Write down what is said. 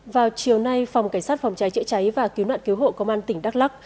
vào chiều nay phòng cảnh sát phòng cháy chữa cháy và cứu nạn cứu hộ công an tỉnh đắk lắc